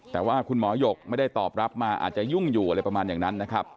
แต่ว่าคุณหมอหยกไม่ได้ตอบรับมาอาจจะยุ่งอยู่อะไรประมาณอย่างนั้นนะครับ